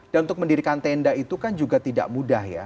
dan untuk mendirikan tenda itu kan juga tidak mudah ya